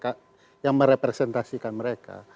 dan siapa yang merepresentasikan mereka